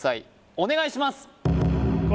お願いします！